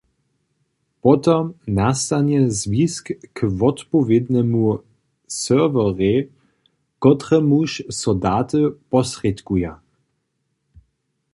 Potom nastanje zwisk k wotpowědnemu serwerej, kotremuž so daty sposrědkuja.